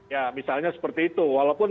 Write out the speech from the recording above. ya misalnya seperti itu walaupun